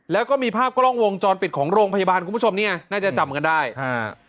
แล้วก็มีภาพกล้องวงจรปิดของโรงพยาบาลคุณผู้ชมเนี้ยน่าจะจำกันได้อ่า